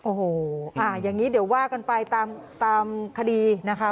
โอ้โหอย่างนี้เดี๋ยวว่ากันไปตามคดีนะคะ